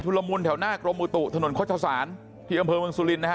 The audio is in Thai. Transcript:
ทุรมูลแถวหน้ากรมอุตุถนนข้อชาวศาลที่กำเพิงเมืองสุรินทร์นะฮะ